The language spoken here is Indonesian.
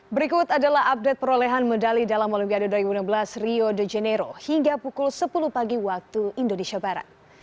berikut adalah update perolehan medali dalam olimpiade dua ribu enam belas rio de janeiro hingga pukul sepuluh pagi waktu indonesia barat